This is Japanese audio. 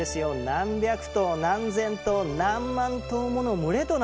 何百頭何千頭何万頭もの群れとなって。